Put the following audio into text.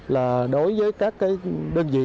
là đối với các đơn vị